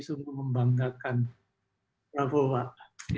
sungguh membanggakan bravo pak